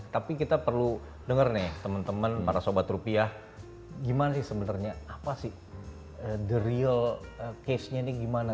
tapi kita perlu dengar nih teman teman para sobat rupiah gimana sih sebenarnya apa sih the real case nya ini gimana